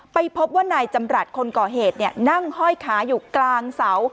ไปพบว่านายจำรัฐคนก่อเหตุนั่งห้อยขาอยู่กลางเสา